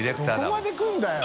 どこまで来るんだよ。